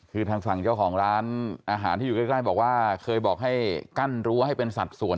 คือทางฝั่งเจ้าของร้านอาหารที่อยู่ใกล้บอกว่าเคยบอกให้กั้นรั้วให้เป็นสัดส่วน